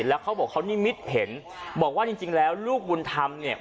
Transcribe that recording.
แล้วเขาบอกเขานิมิตเห็นบอกว่าจริงแล้วลูกบุญธรรมเนี่ย